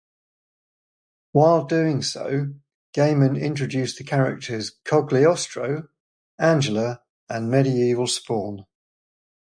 While doing so, Gaiman introduced the characters Cogliostro, Angela, and Medieval Spawn.